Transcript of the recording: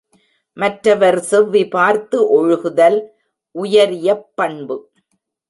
மற்றவர் செவ்வி பார்த்து ஒழுகுதல் உயரியப் பண்பு.